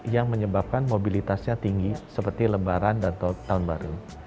yang menyebabkan mobilitasnya tinggi seperti lebaran dan tahun baru